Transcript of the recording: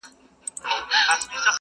o خو ذهن کي يې شته ډېر,